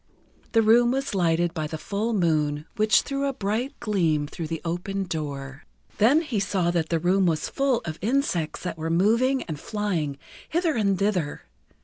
The room was lighted by the full moon, which threw a bright gleam through the open door. Then he saw that the room was full of insects that were moving and flying hither and thither.